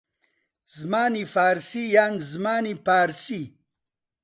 زمانی فارسی یان زمانی پارسی